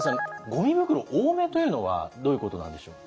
ゴミ袋多めというのはどういうことなんでしょう。